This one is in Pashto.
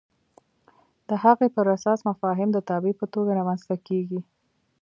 د هغې پر اساس مفاهیم د تابع په توګه رامنځته کېږي.